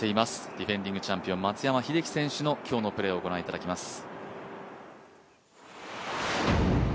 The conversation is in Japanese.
ディフェンディングチャンピオン、松山英樹選手の今日のプレーを御覧いただきます。